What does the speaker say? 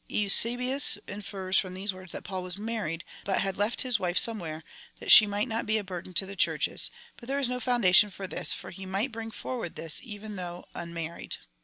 Eusebius infers from these words that Paul was married, but had left his wife somewhere, that she might not be a burden to the Churches, but there is no foundation for this, for he might bring for ward this, even though unmarried.